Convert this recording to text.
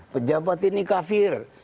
pejabat ini kafir